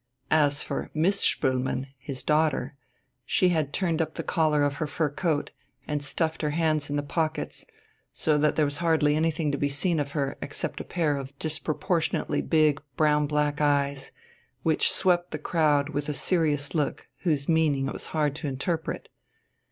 As for Miss Spoelmann, his daughter, she had turned up the collar of her fur coat, and stuffed her hands in the pockets, so that there was hardly anything to be seen of her except a pair of disproportionately big brown black eyes, which swept the crowd with a serious look whose meaning it was hard to interpret.